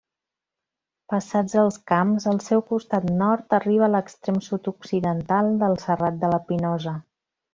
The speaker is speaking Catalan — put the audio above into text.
Passats als camps, al seu costat nord, arriba l'extrem sud-occidental del Serrat de la Pinosa.